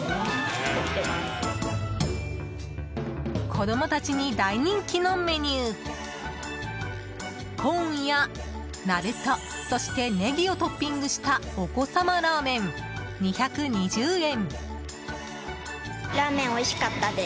子供たちに大人気のメニューコーンやナルトそして、ネギをトッピングしたお子さまラーメン、２２０円。